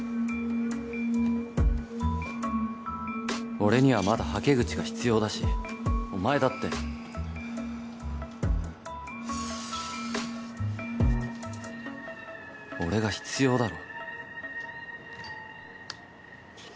俺にはまだはけ口が必要だしお前だって俺が必要だろ？